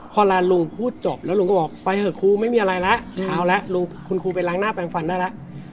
พอร้านลุงพูดจบแล้วลุงก็บอกไปเถอะครูไม่มีอะไรแล้วเช้าแล้วคุณครูไปล้างหน้าแปลงฟันได้แล้ว